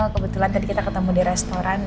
kebetulan tadi kita ketemu di restoran